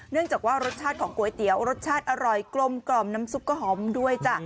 จากว่ารสชาติของก๋วยเตี๋ยวรสชาติอร่อยกลมกล่อมน้ำซุปก็หอมด้วยจ้ะ